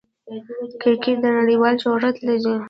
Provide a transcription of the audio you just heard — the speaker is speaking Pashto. کرکټ نړۍوال شهرت لري.